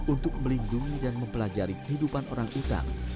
untuk melindungi dan mempelajari kehidupan orangutan